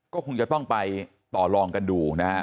ก็คงจะต้องไปต่อลองกันดูนะฮะ